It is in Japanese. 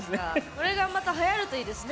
これがまたはやるといいですね